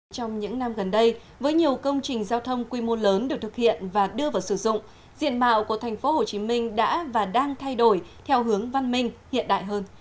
trong những năm gần đây với nhiều công trình giao thông quy mô lớn được thực hiện và đưa vào sử dụng diện mạo của thành phố hồ chí minh đã và đang thay đổi theo hướng văn minh hiện đại hơn